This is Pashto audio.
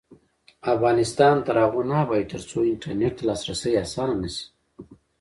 افغانستان تر هغو نه ابادیږي، ترڅو انټرنیټ ته لاسرسی اسانه نشي.